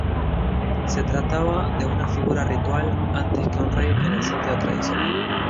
Se trataba de una figura ritual antes que un rey en el sentido tradicional.